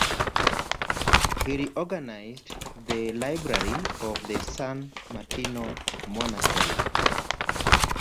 He reorganized the library of the San Martino monastery.